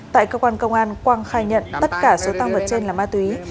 tại cơ quan công an quang khai nhận tất cả số tăng vật trên là ma túy